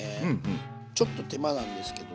ちょっと手間なんですけど。